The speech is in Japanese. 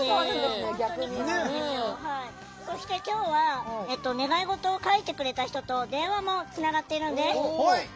そして今日は願い事を書いてくれた人と電話もつながっているんです。